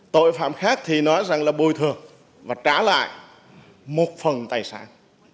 tội phạm khác thì nói rằng là bồi thường và trả lại một phần tài sản